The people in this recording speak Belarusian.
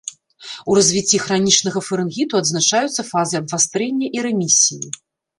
У развіцці хранічнага фарынгіту адзначаюцца фазы абвастрэння і рэмісіі.